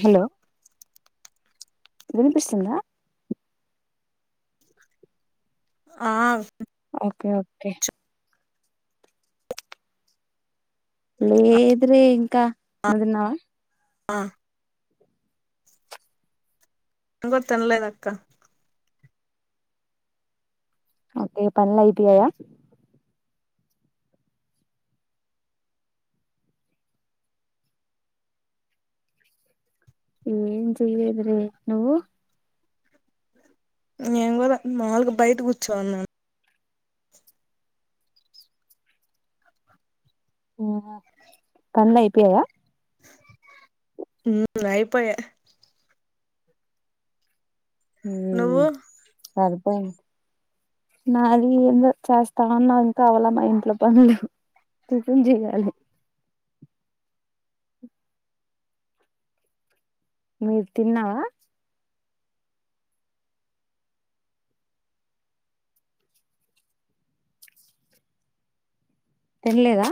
hello వినిపిస్తుంద ఆ okay okay లేద్రే ఇంకా నదిన్నావా ఆ నేను కూడా తినలేదు అక్క ఓకే పనిలఐబయాయా ఏం చెయలేద్రీ నువ్వు నేను కూడా మాాలుగు బయట కూర్చోన్నాను అవునా పనులు అయిపోయాయా హ్మ్మ్ అయిపోయాయి హ్మ్మ్ నువ్వు సరిపోయింది నాది ఏందుో చేస్తామన్నా ఇంకా అవల మా ఇంట్లో పనులు టిఫిన్ చేయాలి మె తిన్నావ తిన్లేదా